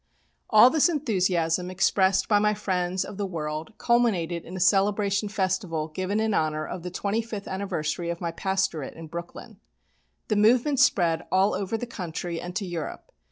All this enthusiasm expressed by my friends of the world culminated in a celebration festival given in honour of the twenty fifth anniversary of my pastorate in Brooklyn. The movement spread all over the country and to Europe.